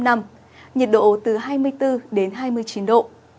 nhiệt độ từ hai mươi bốn đến hai mươi chín độ